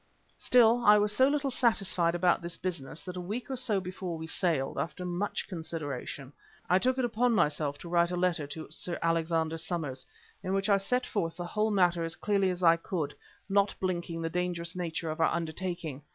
Still I was so little satisfied about this business, that a week or so before we sailed, after much consideration, I took it upon myself to write a letter to Sir Alexander Somers, in which I set forth the whole matter as clearly as I could, not blinking the dangerous nature of our undertaking.